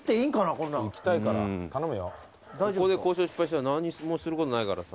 ここで交渉失敗したら何もすることないからさ。